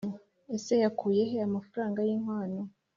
Ese yakuyehe amafaranga y’inkwano